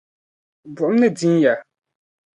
buɣim ni din ya.